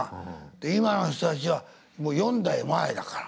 で今の人たちはもう４代前だから。